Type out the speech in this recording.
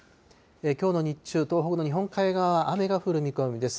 きょうの日中、東北の日本海側は雨が降る見込みです。